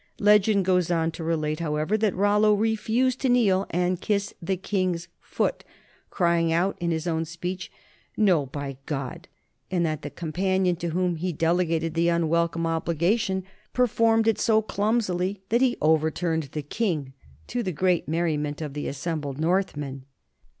Legend goes on to relate, however, that Rollo refused to kneel and kiss the king's foot, crying out in his own speech, "No, by God!" and that the companion to whom he delegated the unwelcome obligation performed 28 NORMANS IN EUROPEAN HISTORY it so clumsily that he overturned the king, to the great merriment of the assembled Northmen.